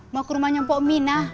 mau ke rumahnya mpok minah